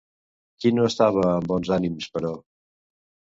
Qui no estava amb bons ànims, però?